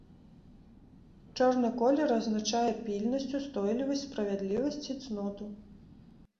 Чорны колер азначае пільнасць, устойлівасць, справядлівасць і цноту.